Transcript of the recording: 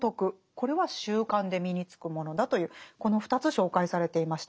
これは習慣で身につくものだというこの２つ紹介されていました。